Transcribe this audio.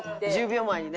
１０秒前に。